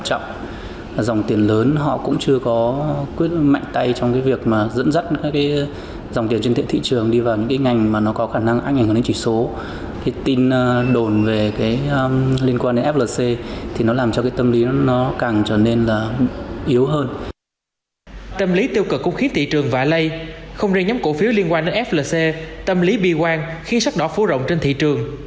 tâm lý tiêu cực cũng khiến thị trường vạ lây không riêng nhóm cổ phiếu liên quan đến flc tâm lý bi quan khiến sắc đỏ phủ rộng trên thị trường